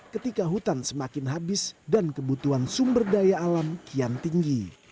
ketika hutan semakin habis dan kebutuhan sumber daya alam kian tinggi